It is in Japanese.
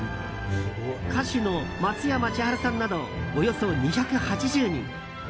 歌手の松山千春さんなどおよそ２８０人。